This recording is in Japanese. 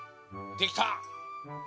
できた！